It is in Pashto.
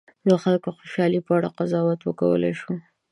د خلکو د خوشالي په اړه قضاوت وکولای شو.